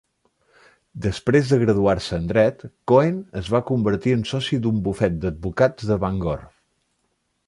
Després de graduar-se en dret, Cohen es va convertir en soci d'un bufet d'advocats de Bangor.